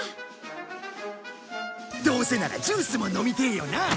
どうせならジュースも飲みてえよな。